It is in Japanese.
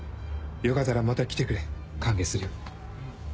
よかったらまた来てくれ歓迎するよ。